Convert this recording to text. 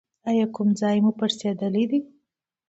ایا کوم ځای مو پړسیدلی دی؟